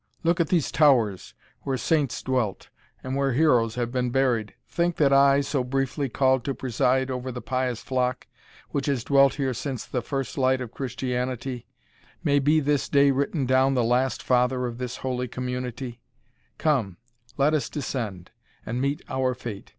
Look at these towers, where saints dwelt, and where heroes have been buried Think that I, so briefly called to preside over the pious flock, which has dwelt here since the first light of Christianity, may be this day written down the last father of this holy community Come, let us descend, and meet our fate.